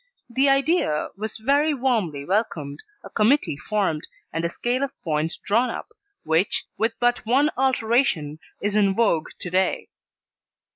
The idea was very warmly welcomed, a committee formed, and a scale of points drawn up which, with but one alteration, is in vogue to day.